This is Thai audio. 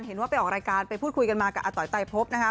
ไปออกรายการไปพูดคุยกันมากับอาตอยไตพบนะคะ